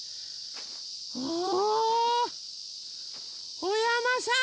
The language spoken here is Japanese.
おお！おやまさん